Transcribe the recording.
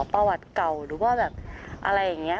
ประวัติเก่าหรือว่าแบบอะไรอย่างนี้